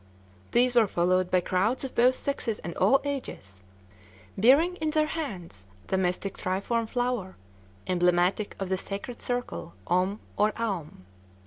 These were followed by crowds of both sexes and all ages, bearing in their hands the mystic triform flower, emblematic of the sacred circle, Om, or Aum.